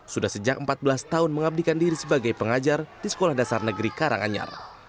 sudah sejak empat belas tahun mengabdikan diri sebagai pengajar di sekolah dasar negeri karanganyar